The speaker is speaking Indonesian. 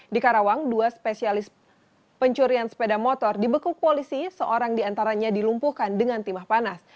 di karawang dua spesialis pencurian sepeda motor dibekuk polisi seorang diantaranya dilumpuhkan dengan timah panas